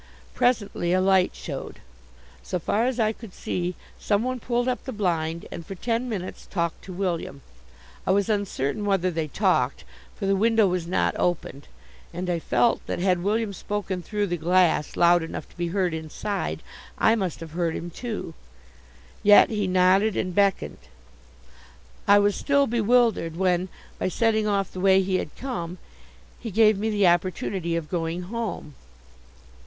Presently a light showed. So far as I could see, someone pulled up the blind and for ten minutes talked to William. I was uncertain whether they talked for the window was not opened, and I felt that, had William spoken through the glass loud enough to be heard inside, I must have heard him too. Yet he nodded and beckoned. I was still bewildered when, by setting off the way he had come, he gave me the opportunity of going home.